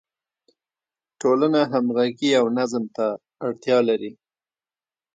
ټولنه همغږي او نظم ته اړتیا لري.